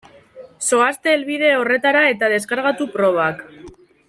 Zoazte helbide horretara eta deskargatu probak.